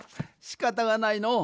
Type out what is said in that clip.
しかたがないのう。